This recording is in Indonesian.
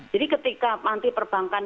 jadi ketika manti perbankan